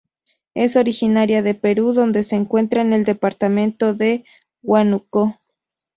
Es originaria de Perú, donde se encuentra en el Departamento de Huánuco.